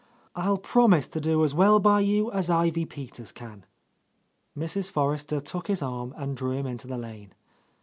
I'll promise to do as well by you as Ivy Peters can." Mrs. Forrester took his arm and drew him into the lane.